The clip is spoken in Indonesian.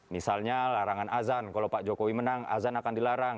misalnya larangan azan kalau pak jokowi menang azan akan dilarang